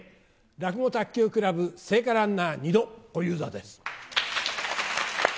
落語卓球クラブ聖火ランナー２度、小遊三です。